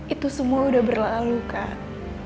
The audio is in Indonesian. itu semua udah berlalu kan